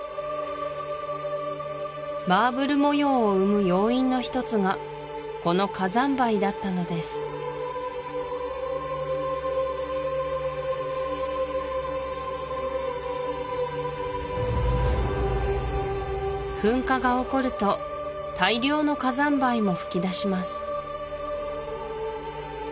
マーブル模様を生む要因の一つがこの火山灰だったのです噴火が起こると大量の火山灰も噴き出します